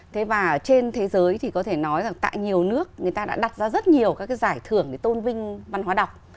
thế và trên thế giới thì có thể nói là tại nhiều nước người ta đã đặt ra rất nhiều các giải thưởng tôn vinh văn hóa đọc